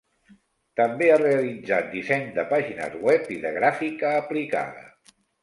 També ha realitzat disseny de pàgines web i de gràfica aplicada.